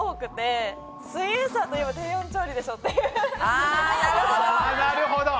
あなるほど。